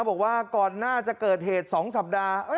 บอกว่าก่อนหน้าจะเกิดเหตุ๒สัปดาห์